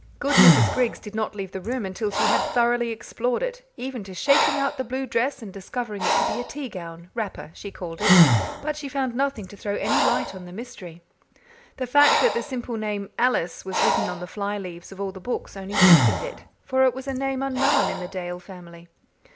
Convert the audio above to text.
Good Mrs. Griggs did not leave the room until she had thoroughly explored it, even to shaking out the blue dress and discovering it to be a tea gown wrapper, she called it. But she found nothing to throw any light on the mystery. The fact that the simple name "Alice" was written on the fly leaves of all the books only deepened it, for it was a name unknown in the Dale family.